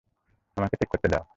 আমাকে চেক করতে দাও।